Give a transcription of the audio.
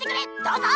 どうぞ！